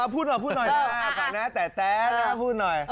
พูดหน่อยขอแนะแตะพูดหน่อย